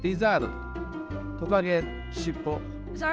トカゲ尻尾。